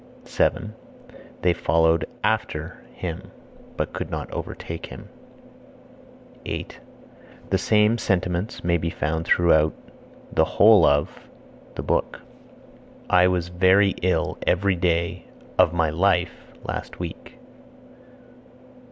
7. They followed (after) him, but could not overtake him. 8. The same sentiments may be found throughout (the whole of) the book. 9. I was very ill every day (of my life) last week.